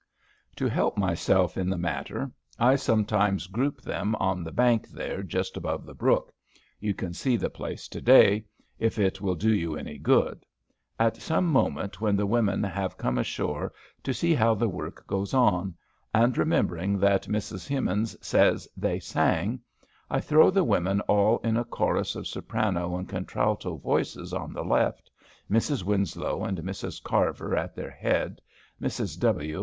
To help myself in the matter, I sometimes group them on the bank there just above the brook, you can see the place to day, if it will do you any good at some moment when the women have come ashore to see how the work goes on and remembering that Mrs. Hemans says "they sang" I throw the women all in a chorus of soprano and contralto voices on the left, Mrs. Winslow and Mrs. Carver at their head, Mrs. W.